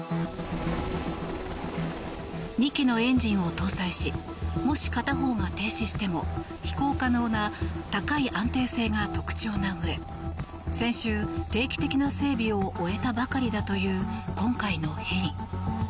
２基のエンジンを搭載しもし片方が停止しても飛行可能な高い安定性が特徴なうえ先週、定期的な整備を終えたばかりだという今回のヘリ。